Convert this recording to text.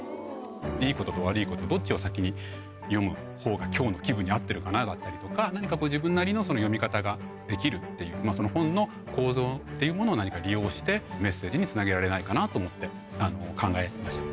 いいことと悪いことどっちを先に読むほうが今日の気分に合ってるかなだったりとか何かこう自分なりのその読み方ができるっていう本の構造っていうものを何か利用してメッセージにつなげられないかなと思って考えました。